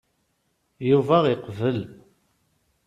Yuba iqbel.